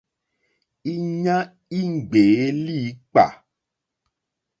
Íɲa í ŋɡbèé líǐpkà.